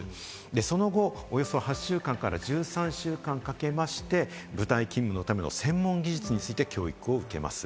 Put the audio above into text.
その後、８週間から１３週間かけまして、部隊勤務のための専門技術について教育を受けます。